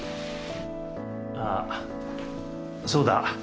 あっそうだ。